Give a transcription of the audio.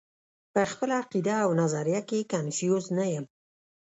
پۀ خپله عقيده او نظريه کښې کنفيوز نۀ يم -